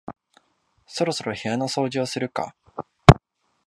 そろそろ部屋の掃除をするか